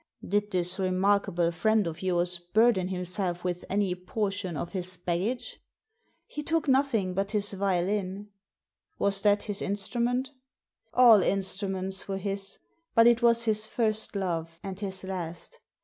Did this remarkable friend of yours burden him self with any portion of his baggage ?"" He took nothing but his violin." " Was that his instrument ?" ''All instruments were his. But it was his first love, and his last